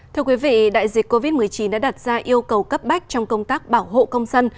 thưa quý vị đại dịch covid một mươi chín đã đặt ra yêu cầu cấp bách trong công tác bảo hộ công dân